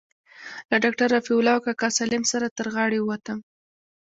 له ډاکتر رفيع الله او کاکا سالم سره تر غاړې ووتم.